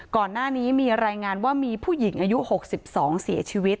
ก่อนหน้านี้มีรายงานว่ามีผู้หญิงอายุ๖๒เสียชีวิต